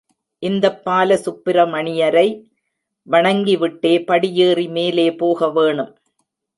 இந்தப் பாலசுப்பிரமணியரை வணங்கிவிட்டே படியேறி மேலே போகவேணும்.